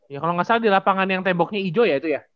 ya kalo gak salah di lapangan yang temboknya ijo ya itu ya